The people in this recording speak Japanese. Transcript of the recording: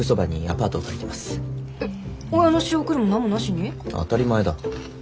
当たり前だ。